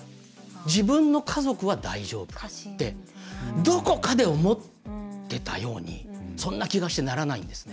自分の家族は大丈夫ってどこかで思ってたようにそんな気がしてならないんですね。